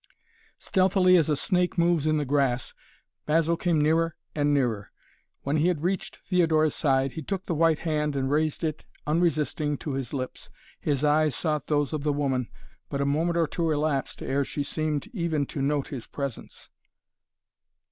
Stealthily as a snake moves in the grass, Basil came nearer and nearer. When he had reached Theodora's side he took the white hand and raised it, unresisting, to his lips. His eyes sought those of the woman, but a moment or two elapsed ere she seemed even to note his presence.